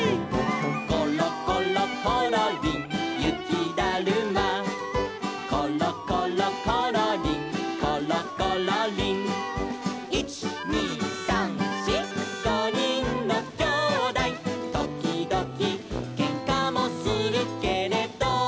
「ころころころりんゆきだるま」「ころころころりんころころりん」「いちにさんしごにんのきょうだい」「ときどきけんかもするけれど」